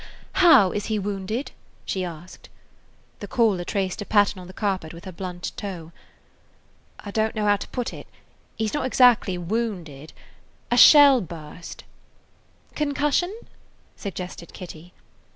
"How is he wounded?" she asked. The caller traced a pattern on the carpet with her blunt toe. "I don't know how to put it; he 's not exactly wounded. A shell burst–" "Concussion?" suggested Kitty.